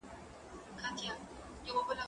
زه پرون د ښوونځی لپاره تياری وکړ؟!